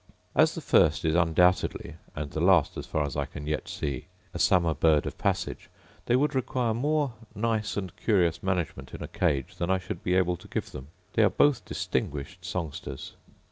As the first is undoubtedly, and the last, as far as I can yet see, a summer bird of passage, they would require more nice and curious management in a cage than I should be able to give them; they are both distinguished songsters.